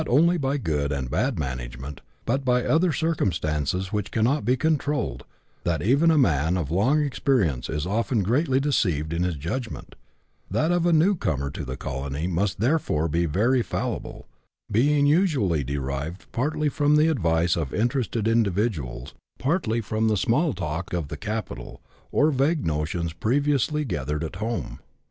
161 only by good and bad management, but by other circumstances which cannot be controlled, that even a man of long experience is often greatly deceived in his judgment ; that of a new comer to the colony must therefore be very fallible, being usually derived partly from the advice of interested individuals, partly from the small talk of the capital, or vague notions previously gathered at home.